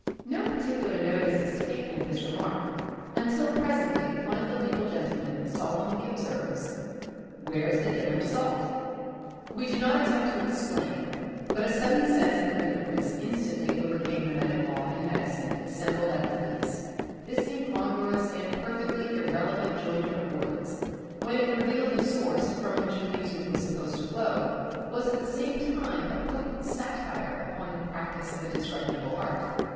No particular notice is taken of this remark, until presently one of the legal gentlemen solemnly observes, "Where's the damned salt?" We do not attempt to explain it, but a sudden sense of the ludicrous instantly overcame the men of law and medicine assembled at the Fleece. This incongruous and perfectly irrelevant joinder of words, while it revealed the source from which amusement was supposed to flow, was at the same time a potent satire upon the practice of a disreputable art.